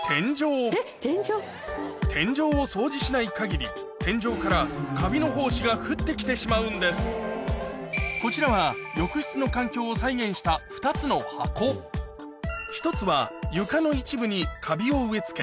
天井を掃除しない限り天井からカビの胞子が降ってきてしまうんですこちらは２つの箱１つは床の一部にカビを植え付け